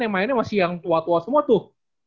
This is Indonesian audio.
yang mainnya masih yang tua tua semua tuh